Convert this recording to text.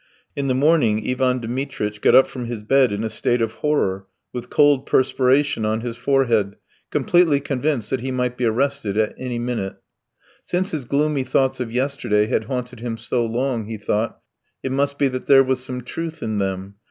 In the morning Ivan Dmitritch got up from his bed in a state of horror, with cold perspiration on his forehead, completely convinced that he might be arrested any minute. Since his gloomy thoughts of yesterday had haunted him so long, he thought, it must be that there was some truth in them.